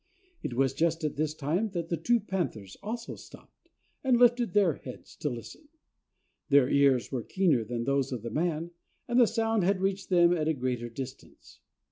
It was just at this time that the two panthers also stopped, and lifted their heads to listen. Their ears were keener than those of the man, and the sound had reached them at a greater distance.